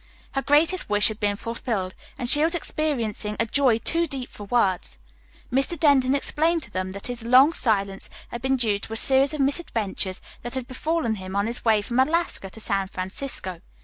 Her greatest wish had been fulfilled and she was experiencing a joy too deep for words. Mr. Denton explained to them that his long silence had been due to a series of misadventures that had befallen him on his way from Alaska to San Francisco.